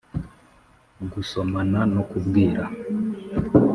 gusomana no kubwira